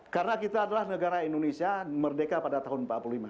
karena kita adalah negara indonesia merdeka pada tahun seribu sembilan ratus empat puluh lima